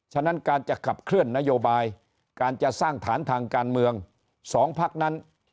ฉะนั้นการจะขับเคลื่อนนโยบายการจะสร้างฐานทางการเมือง๒พักนั้น